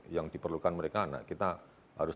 yang diperlukan mereka anak kita harus